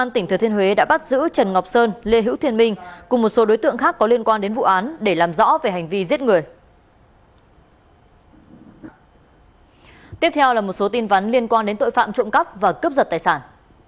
tiếp theo là một số tin vấn liên quan đến tội phạm trộm cắp và cướp giật tài sản